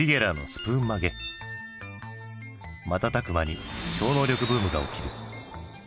瞬く間に超能力ブームが起きる。